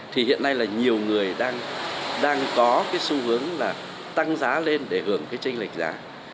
thì hiện nay là nhiều người đang có cái xu hướng là tăng giá lên để hưởng cái tranh lệch giá